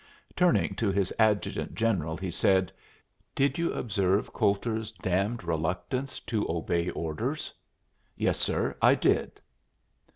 Turning to his adjutant general he said, "Did you observe Coulter's damned reluctance to obey orders?" "Yes, sir, I did."